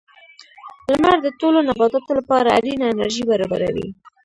• لمر د ټولو نباتاتو لپاره اړینه انرژي برابروي.